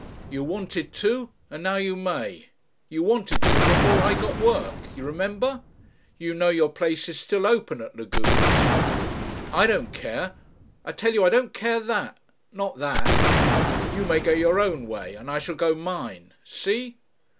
"You wanted to, and now you may. You wanted to, before I got work. You remember? You know your place is still open at Lagune's. I don't care. I tell you I don't care that. Not that! You may go your own way and I shall go mine. See?